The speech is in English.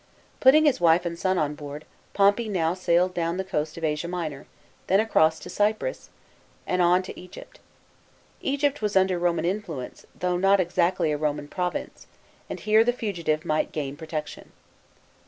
" Putting his wife and son on board, Pompey now sailed down the coast of Asia Minor, then across to Cyprus, and on to Egypt. Egypt was under Roman influence, though not exactly a Roman province, and here the fugitive might gain pro tection.